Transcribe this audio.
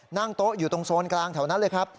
นั่งโต๊ะอยู่ตรงโซนกลางแถวนั้นเลยครับ